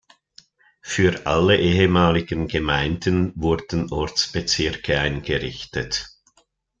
Für alle ehemaligen Gemeinden wurden Ortsbezirke eingerichtet.